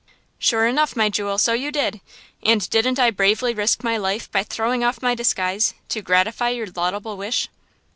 "Sure enough, my jewel, so you did! And didn't I bravely risk my life by throwing off my disguise to gratify your laudable wish?"